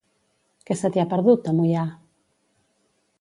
Què se t'hi ha perdut, a Moià?